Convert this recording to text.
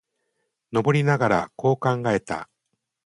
登りながら、こう考えた。